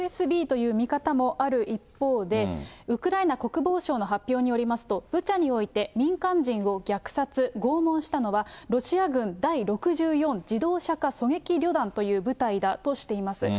ＦＳＢという見方もある一方で、ウクライナ国防省の発表によりますと、ブチャにおいて、民間人を虐殺、拷問したのは、ロシア軍第６４自動車化狙撃旅団という部隊だとしています。